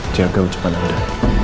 jaga ujepan anda